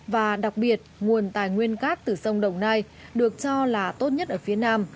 và đặc biệt nguồn tài nguyên cát từ sông đồng nai được cho là tốt nhất ở phía nam